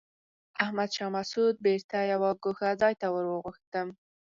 احمد شاه مسعود بېرته یوه ګوښه ځای ته ور وغوښتم.